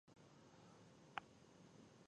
ډيپلومات د نړیوال اعتماد جوړولو هڅه کوي.